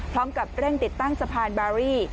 พร้อมกับเร่งติดตั้งสะพานบารี่